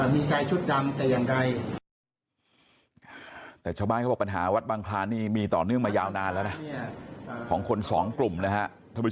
ไม่ได้เข้าไปยุ่งเกี่ยวหรือเข้าไปในวัด